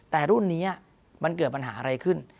แต่รุ่นนี้มันเกิดปัญหาอะไรขึ้น